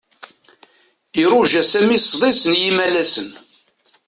Iruja Sami sḍis n yimalasen.